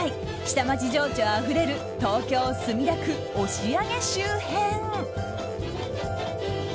下町情緒あふれる東京・墨田区押上周辺。